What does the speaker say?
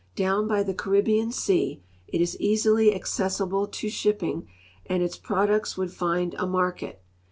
Down by the Caribbean sea it is easily accessible to shipping, and its products would find a market.